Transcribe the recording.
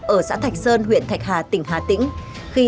ở xã thạch sơn huyện thạch hà tỉnh hà tĩnh